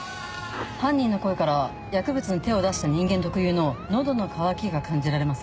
犯人の声からは薬物に手を出した人間特有の喉の乾きが感じられます